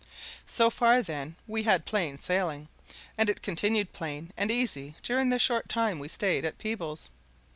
So far, then, we had plain sailing, and it continued plain and easy during the short time we stayed in Peebles.